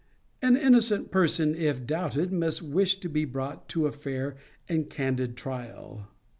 An innocent person, if doubted, must wish to be brought to a fair and candid trial.